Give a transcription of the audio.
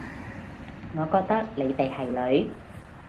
我覺得你哋係女